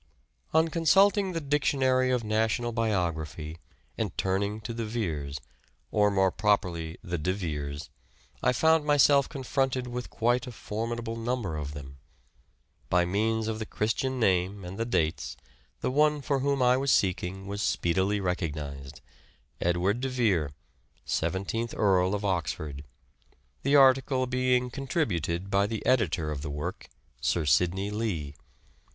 On consulting the Dictionary of National Biography Dictionary and turning to the Veres, or more properly the De Biography. Veres, I found myself confronted with quite a for midable number of them. By means of the Christian name and the dates, the one for whom I was seeking was speedily recognized : Edward de Vere, Seventeenth Earl of Oxford ; the article being contributed by the Editor of the work, Sir Sidney Lee.